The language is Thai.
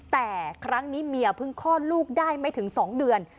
แต่ครั้งนี้เมียเพิ่งคลอดลูกได้ไม่ถึง๒เดือน